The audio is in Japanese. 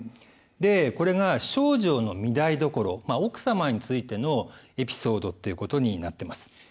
でこれが丞相の御台所奥様についてのエピソードっていうことになってます。